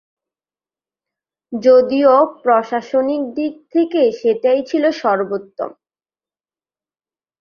যদিও প্রশাসনিক দিক থেকে সেটাই ছিল সর্বোত্তম।